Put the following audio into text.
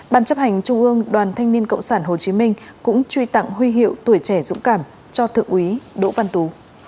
ban chấp hành trung ương đoàn thanh niên cộng sản hồ chí minh cũng truy tặng huy hiệu tuổi trẻ dũng cảm cho thượng úy đỗ văn tú